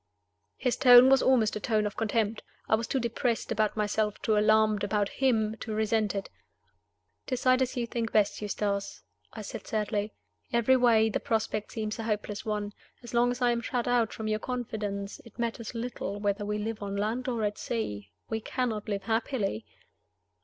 His tone was almost a tone of contempt. I was too depressed about myself, too alarmed about him, to resent it. "Decide as you think best, Eustace," I said, sadly. "Every way, the prospect seems a hopeless one. As long as I am shut out from your confidence, it matters little whether we live on land or at sea we cannot live happily."